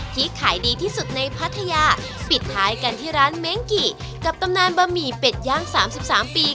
ที่ขายดีที่สุดในพัทยาปิดท้ายกันที่ร้านเม้งกิกับตำนานบะหมี่เป็ดย่าง๓๓ปี